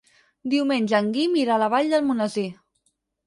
Diumenge en Guim irà a la Vall d'Almonesir.